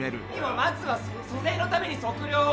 まずは租税のために測量を。